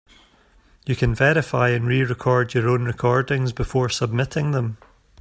You can verify and re-record your own recordings before submitting them.